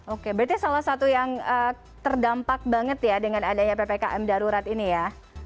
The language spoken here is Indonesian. oke berarti salah satu yang terdampak banget ya dengan adanya ppkm darurat ini ya